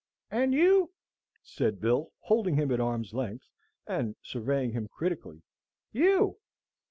"And you?" said Bill, holding him at arm's length, and surveying him critically, "you!